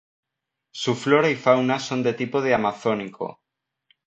Su flora y fauna son de tipo de amazónico.